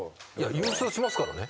優勝しますからね。